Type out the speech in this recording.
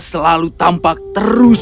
selalu tampak terus